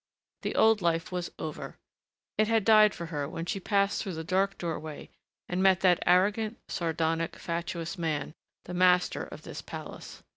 The old life was over. It had died for her when she passed through the dark doorway and met that arrogant, sardonic, fatuous man, the master of this palace....